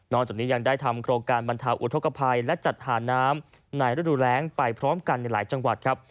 จากนี้ยังได้ทำโครงการบรรเทาอุทธกภัยและจัดหาน้ำในฤดูแรงไปพร้อมกันในหลายจังหวัดครับ